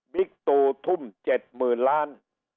บิ๊กตูทุ่ม๗หมื่นล้าน